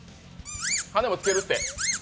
羽根も付けるって。